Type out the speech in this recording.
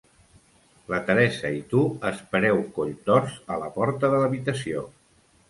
La Teresa i tu espereu colltorts a la porta de l'habitació.